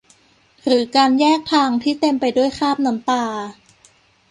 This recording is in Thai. หรือการแยกทางที่เต็มไปด้วยคราบน้ำตา